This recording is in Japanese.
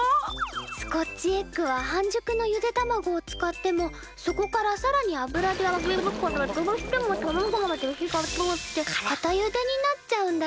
スコッチエッグは半熟のゆで卵を使ってもそこからさらに油であげるからどうしても卵まで火が通って固ゆでになっちゃうんだよね。